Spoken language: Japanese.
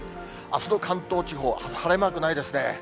あすの関東地方、晴れマークないですね。